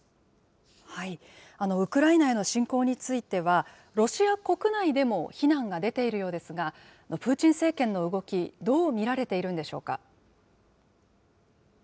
ウクライナへの侵攻についてはロシア国内でも非難が出ているようですが、プーチン政権の動き、どう見られているんでしょうか。